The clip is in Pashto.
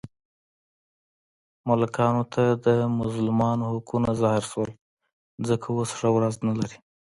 ملکانو ته د مظلومانو حقونه زهر شول، ځکه اوس ښه ورځ نه لري.